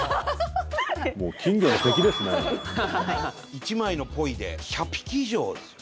１枚のポイで１００匹以上ですよ。